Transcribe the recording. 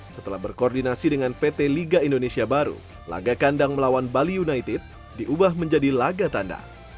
setelah berkoordinasi dengan pt liga indonesia baru laga kandang melawan bali united diubah menjadi laga tanda